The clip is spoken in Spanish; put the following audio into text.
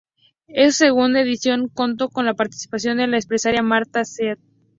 En su segunda edición contó con la participación de la empresaria Martha Stewart.